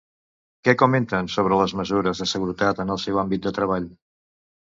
Què comenten sobre les mesures de seguretat en el seu àmbit de treball?